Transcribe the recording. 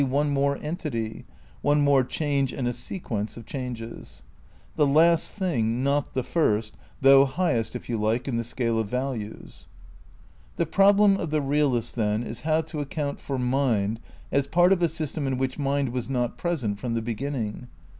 vii viii INTEODUCTION one more entity, one more change in a sequence of changes; the last thing, not the first, though highest, if you like, in the scale of values. The problem of the realist, then, is how to account for mind as part of a system in which mind was not present from the beginning.